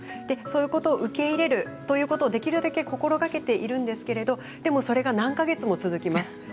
で、そういうことを受け入れるということをできるだけ心がけているんですけれどでも、それが何か月も続きます。